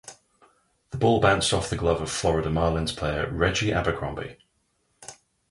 The ball bounced off the glove of Florida Marlins player Reggie Abercrombie.